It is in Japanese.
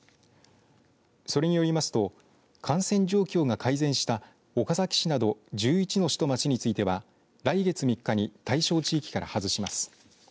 それによりますと感染状況が改善した岡崎市など１１の市と町については来月３日に対象地域から外します。